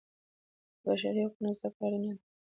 د بشري حقونو زده کړه اړینه ده.